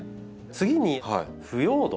次に「腐葉土」。